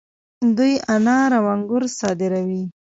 دوی انار او انګور صادروي.